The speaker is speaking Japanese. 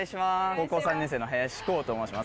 高校３年生の林洸と申します